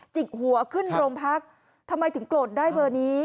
จิกหัวขึ้นโรงพักทำไมถึงโกรธได้เบอร์นี้